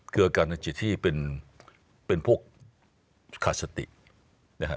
คืออาการทางจิตที่เป็นพวกขาดสตินะครับ